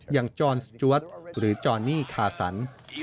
อย่างจอร์นส์จ๊วทหรือจอร์นี่คาสัน